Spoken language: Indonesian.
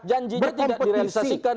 janjinya tidak direalisasikan